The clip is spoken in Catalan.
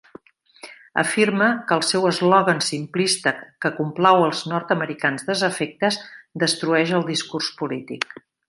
Afirma que el seu eslògan simplista que complau els nord-americans desafectes destrueix el discurs polític.